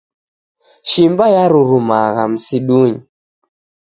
Shimba yarurumagha msidunyi